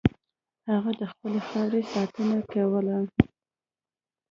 هغه د خپلې خاورې ساتنه کوله.